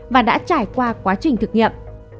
và đã trải qua quá trình thực nghiệm